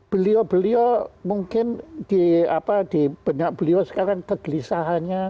beliau beliau mungkin di apa di banyak beliau sekarang kegelisahannya